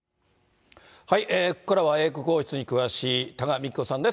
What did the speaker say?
ここからは、英国王室に詳しい多賀幹子さんです。